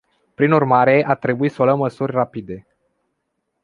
Prin urmare, a trebuit să luăm măsuri rapide.